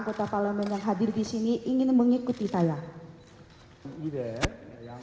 kota parlemen yang hadir di sini ingin mengikuti tayang